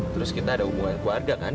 terus kita ada hubungan keluarga kan